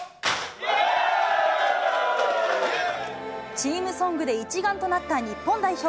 チームソングで一丸となった日本代表。